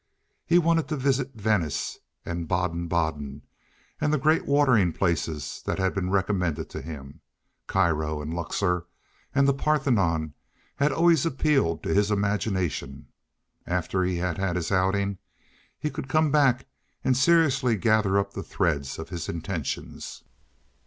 He wanted to visit Venice and Baden Baden, and the great watering places that had been recommended to him. Cairo and Luxor and the Parthenon had always appealed to his imagination. After he had had his outing he could come back and seriously gather up the threads of his intentions.